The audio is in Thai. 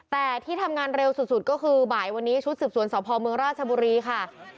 แต่ที่ทำงานเร็วสุดก็คือบ่ายวันนี้ชุดสืบสวนสพเมืองราชบุรีค่ะ